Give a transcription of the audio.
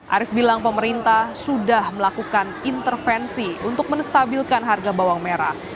arief bilang pemerintah sudah melakukan intervensi untuk menstabilkan harga bawang merah